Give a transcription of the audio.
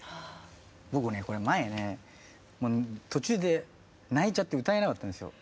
僕ねこれ前ね途中で泣いちゃって歌えなかったんですよ。